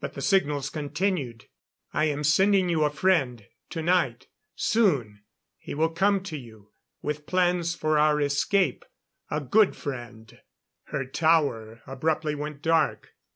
But the signals continued. "I am sending you a friend tonight soon he will come to you. With plans for our escape. A good friend " Her tower abruptly went dark.